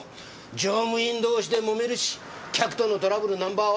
乗務員同士で揉めるし客とのトラブルナンバー１。